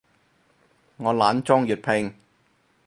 我懶裝粵拼